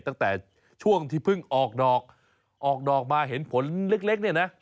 ตั้งแต่ช่วงที่เพิ่งออกดอกออกดอกมาเห็นผลเล็กเนี่ยนะ